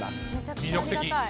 魅力的。